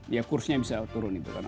ya kursnya bisa turun itu kan